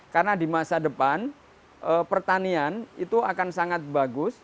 karena di masa depan pertanian itu akan sangat bagus